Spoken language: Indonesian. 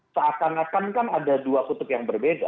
seakan akan kan ada dua kutub yang berbeda